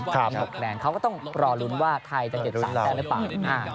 มี๖คะแนนเขาก็ต้องรอลุ้นว่าไทยจะเก็บ๓แต้มหรือเปล่า